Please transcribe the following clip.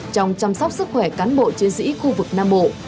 trong chăm sóc sức khỏe cán bộ chiến sĩ khu vực nam bộ